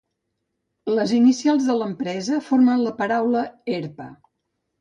Les inicials de l'empresa formen la paraula "Herpa".